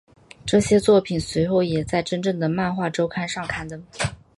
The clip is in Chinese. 这些作品随后也在真正的漫画周刊上刊登。